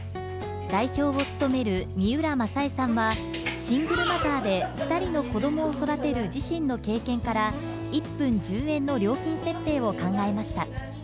代表を務める三浦雅恵さんは、シングルマザーで２人の子どもを育てる自身の経験から、１分１０円の料金設定を考えました。